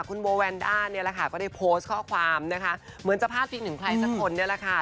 คุณโบวันด้านก็ได้โพสต์ข้อความเหมือนจะพลาดฟิกถึงใครสักคน